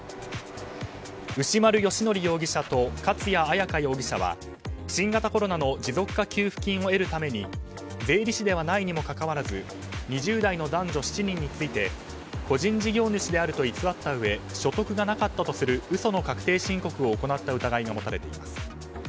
牛丸由規容疑者と勝谷彩夏容疑者は新型コロナの持続化給付金を得るために税理士ではないにもかかわらず２０代の男女７人について個人事業主であると偽ったうえ所得がなかったとする嘘の確定申告を行った疑いが持たれています。